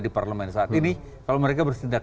di parlemen saat ini kalau mereka bersindak